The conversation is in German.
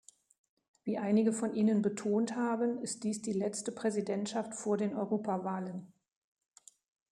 Wie einige von Ihnen betont haben, ist dies die letzte Präsidentschaft vor den Europawahlen.